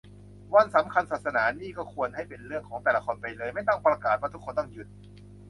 วันสำคัญศาสนานี่ก็ควรให้เป็นเรื่องของแต่ละคนไปเลย ไม่ต้องประกาศว่าทุกคนต้องหยุด